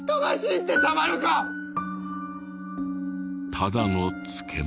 ただの漬物。